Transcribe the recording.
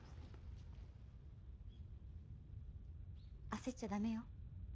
焦っちゃ駄目よ。